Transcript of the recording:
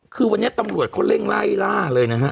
คือวันนี้ตำรวจเขาเร่งไล่ล่าเลยนะฮะ